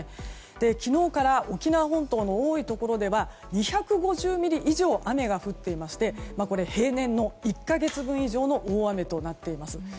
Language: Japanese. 昨日から沖縄本島の多いところでは２５０ミリ以上雨が降っていましてこれは平年の１か月分以上の大雨となっています。